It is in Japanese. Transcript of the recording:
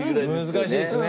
難しいですね。